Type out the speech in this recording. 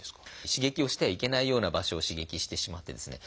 刺激をしてはいけないような場所を刺激してしまってですね